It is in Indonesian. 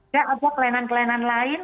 ya ada kelainan kelainan lain